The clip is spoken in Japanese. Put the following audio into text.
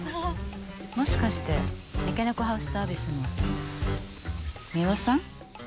もしかして三毛猫ハウスサービスの美羽さん？